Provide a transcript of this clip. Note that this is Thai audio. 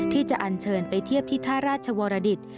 ที่จะอันเชิญไปเทียบที่ท่าราชวรดิต